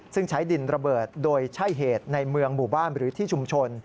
ซึ่งใช้ดินระเบิดโดยใช่เหตุในเมืองหมู่บ้านหรือที่ชุมชน